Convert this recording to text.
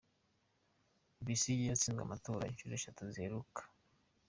Besigye yatsinzwe amatora inshuro eshatu ziheruka.